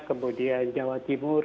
kemudian jawa timur